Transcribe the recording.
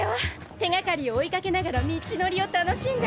手がかりを追いかけながら道のりを楽しんだ。